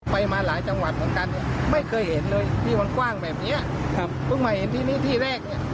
เพราะว่าเห็นที่นี่ที่แรก